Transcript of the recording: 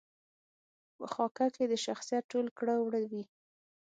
په خاکه کې د شخصیت ټول کړه وړه وي.